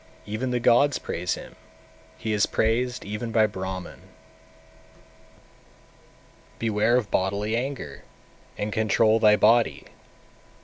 Even the gods praise him, he is praised even by Brahman. 231. Beware of bodily anger, and control thy body!